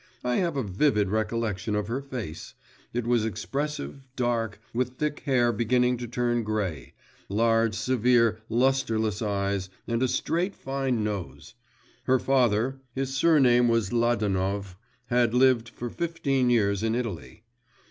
I have a vivid recollection of her face: it was expressive, dark, with thick hair beginning to turn grey; large, severe, lustreless eyes, and a straight, fine nose. Her father his surname was Ladanov had lived for fifteen years in Italy.